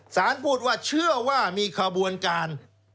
สารพูดว่าเชื่อว่ามีขบวนการ